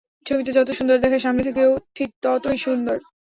ছবিতে যত সুন্দর দেখায় সামনে থেকেও কি তেমনি?